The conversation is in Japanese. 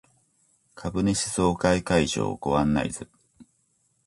株主総会会場ご案内図